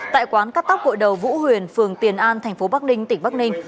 tại quán cắt tóc gội đầu vũ huyền phường tiền an thành phố bắc ninh tỉnh bắc ninh